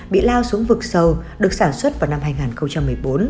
bị lao xuống vực sâu được sản xuất vào năm hai nghìn một mươi bốn